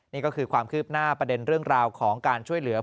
นี่ก็คือความคืบหน้าประเด็นเรื่องราวของการช่วยเหลือ